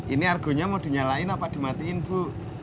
ini argonya mau dinyalain apa dimatiin bu